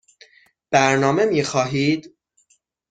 برنامه می خواهید؟